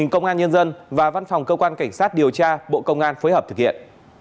cơ quan cảnh sát điều tra bộ công an phối hợp thực hiện